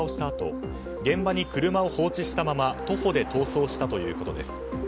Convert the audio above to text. あと現場に車を放置したまま徒歩で逃走したということです。